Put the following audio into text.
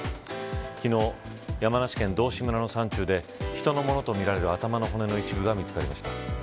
昨日、山梨県道志村の山中で人のものとみられる頭の骨の一部が見つかりました。